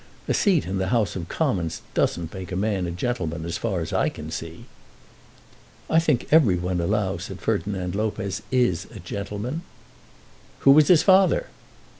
A seat in the House of Commons doesn't make a man a gentleman as far as I can see." "I think every one allows that Ferdinand Lopez is a gentleman." "Who was his father?"